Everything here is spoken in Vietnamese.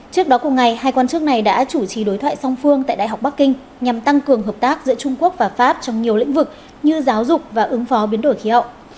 trước đó cùng ngày hai quan chức này đã chủ trì đối thoại song phương tại đại học bắc kinh nhằm tăng cường hợp tác giữa trung quốc và pháp trong nhiều lĩnh vực như giáo dục và ứng phó biến đổi khí hậu